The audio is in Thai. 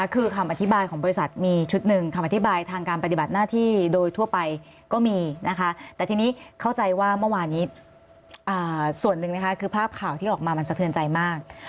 คือภาพข่าวที่ออกมามันสะเทือนใจมาก